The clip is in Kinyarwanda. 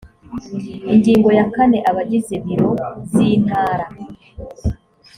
ingingo ya kane abagize biro z intara